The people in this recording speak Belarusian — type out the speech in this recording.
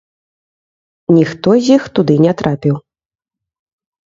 Ніхто з іх туды не трапіў.